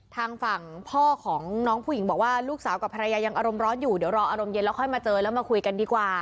ทางฝั่งพ่อของน้องผู้หญิงบอกว่าลูกสาวกับภรรยายังอารมณ์ร้อนอยู่เดี๋ยวรออารมณ์เย็นแล้วค่อยมาเจอแล้วมาคุยกันดีกว่า